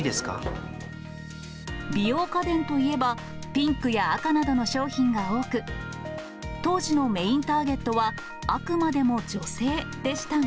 美容家電といえばピンクや赤などの商品が多く、当時のメインターゲットは、あくまでも女性でしたが。